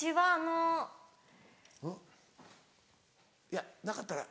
いやなかったら。